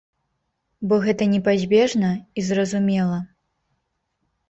Бо гэта непазбежна і зразумела.